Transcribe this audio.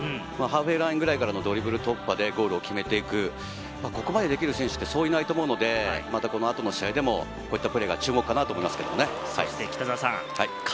ハーフウェーラインくらいからのドリブル突破でゴールを決めていく、ここまでできる選手ってそういないと思うので、この後の試合でもこういったプレーが注目かなと思います。